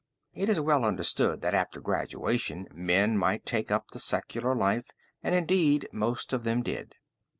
It was well understood that after graduation men might take up the secular life and indeed most of them did.